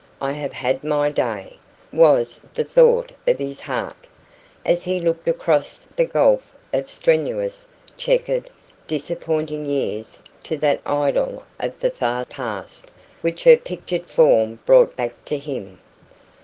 "I have had my day," was the thought of his heart, as he looked across the gulf of strenuous, chequered, disappointing years to that idyll of the far past which her pictured form brought back to him.